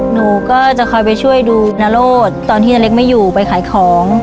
หนูก็จะคอยไปช่วยดูนโรศตอนที่นาเล็กไม่อยู่ไปขายของ